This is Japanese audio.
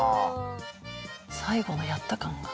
最後のやった感が。